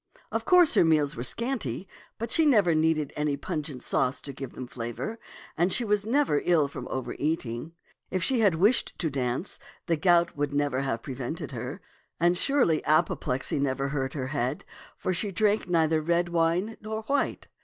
Of course her meals were scanty, but she never needed any pungent sauce to give them flavor, and she was never ill from over eating. If she had wished to dance, the gout would never have prevented her ; and surely apoplexy never hurt her head, for she drank neither red wine nor white.